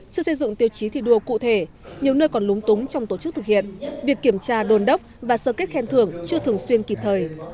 chưa xây dựng tiêu chí thi đua cụ thể nhiều nơi còn lúng túng trong tổ chức thực hiện việc kiểm tra đồn đốc và sơ kết khen thưởng chưa thường xuyên kịp thời